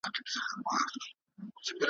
دا شعر چه سړی هر څومره اوږدواوږدوي `